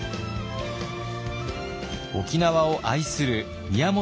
沖縄を愛する宮本